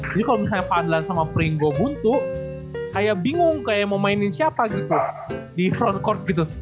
jadi kalo misalnya fadlan sama pringobuntu kayak bingung kayak mau mainin siapa gitu di front court gitu